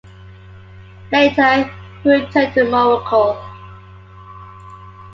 Later he returned to Morocco.